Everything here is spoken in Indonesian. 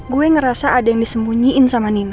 gue ngerasa ada yang disembunyiin sama nino